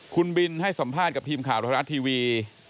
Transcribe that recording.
คุณบินให้สัมภาษณ์กับทีมข่าวไทยรัฐทีวี